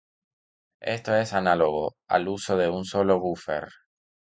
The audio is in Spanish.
Esto es análogo al uso de un sólo buffer.